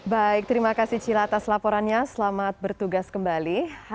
baik terima kasih cila atas laporannya selamat bertugas kembali